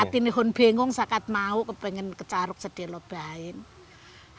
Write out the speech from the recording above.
artinya dia bingung mau kejar kejar sedih